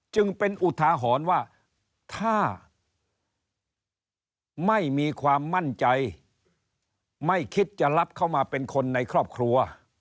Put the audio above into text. จึงเป็นอุทาหรณ์ว่าถ้าไม่มีความมั่นใจไม่คิดจะรับเข้ามาเป็นคนในครอบครัว